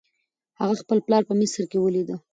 هغه خپل پلار په مصر کې ولید.